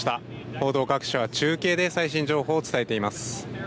報道各社は中継で最新情報を伝えています。